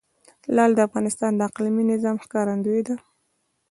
لعل د افغانستان د اقلیمي نظام ښکارندوی ده.